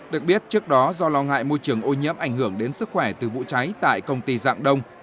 được biết trước đó do lo ngại môi trường ô nhiễm ảnh hưởng đến sức khỏe từ vụ cháy tại công ty dạng đông